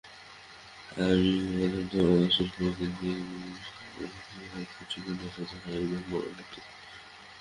অতি অধম অসুরপ্রকৃতি মানুষেরও এমন কিছু গুণ আছে, যাহা একজন বড় সাধুর নাই।